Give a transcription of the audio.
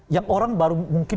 yang orang baru mungkin